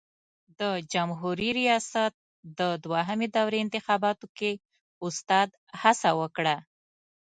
د جمهوري ریاست د دوهمې دورې انتخاباتو کې استاد هڅه وکړه.